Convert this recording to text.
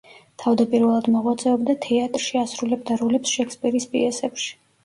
თავდაპირველად მოღვაწეობდა თეატრში, ასრულებდა როლებს შექსპირის პიესებში.